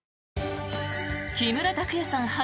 木村拓哉さん